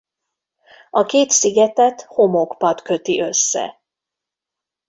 A két szigetet homokpad köti össze.